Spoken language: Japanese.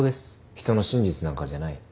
人の真実なんかじゃない。